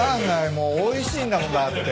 もうおいしいんだもんだって。